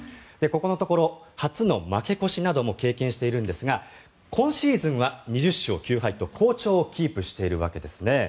ここのところ初の負け越しなども経験しているのですが今シーズンは２０勝９敗と好調をキープしているわけですね。